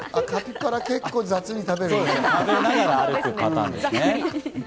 結構雑に食べるね。